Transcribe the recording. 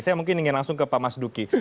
saya mungkin ingin langsung ke pak mas duki